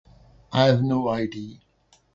I have no ID.